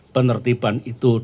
penertiban itu dianggap